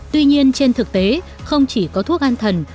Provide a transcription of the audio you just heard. tuy nhiên trên thực tế không chỉ có thuốc an thần